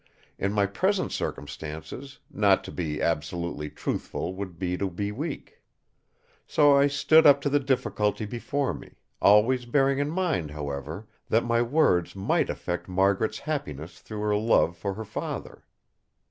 In my present circumstances, not to be absolutely truthful would be to be weak. So I stood up to the difficulty before me; always bearing in mind, however, that my words might affect Margaret's happiness through her love for her father.